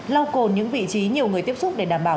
lau cồn những vị trí nhiều người tiếp xúc để đảm bảo